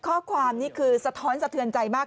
ข้อความนี่คือสะท้อนสะเทือนใจมาก